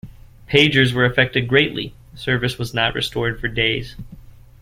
Pagers were affected greatly; service was not restored for days.